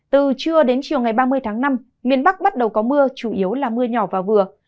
từ trưa đến chiều ngày ba mươi tháng năm miền bắc bắt đầu có mưa chủ yếu là mưa nhỏ và vừa